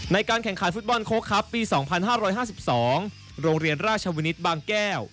ในการแข่งขันฟุตบอลโค๊กครับปีสองพันห้าร้อยห้าสิบสองโรงเรียนราชวนิตบางแก้ว